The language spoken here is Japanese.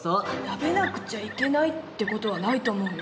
食べなくちゃいけないって事はないと思うよ。